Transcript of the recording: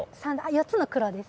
４つの黒です。